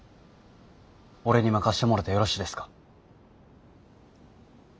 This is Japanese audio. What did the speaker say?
俺に任してもろてよろしですか？